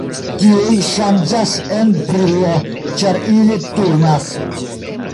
Tiuj ŝanĝas en brilo ĉar ili turnas.